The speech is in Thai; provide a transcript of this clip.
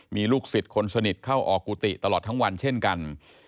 มีลูกศิษย์คนสนิทเข้าออกกุฏิตลอดทั้งวันเช่นกัน